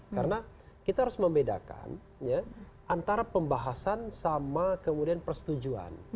karena kita harus membedakan antara pembahasan sama kemudian persetujuan